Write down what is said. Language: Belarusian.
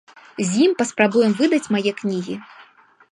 З ім паспрабуем выдаць мае кнігі.